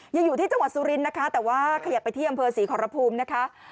อยู่ที่จังหวัดสุรินทร์นะคะแต่ว่าขยับไปที่อำเภอศรีขอรภูมินะคะ